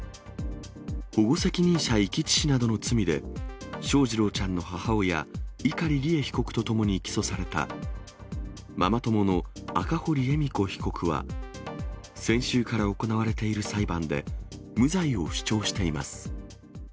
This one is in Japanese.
保護責任者遺棄致死などの罪で、翔士郎ちゃんの母親、碇利恵被告とともに起訴された、ママ友の赤堀恵美子被告は、先週から行われている裁判で、無罪を主張しています。